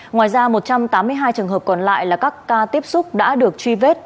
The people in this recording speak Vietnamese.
ngoài ra một trăm tám mươi hai trường hợp còn lại là các ca tiếp xúc đã được truy vết